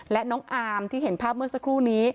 และน้องอามที่เห็นภาพเมื่อสักครู่นี้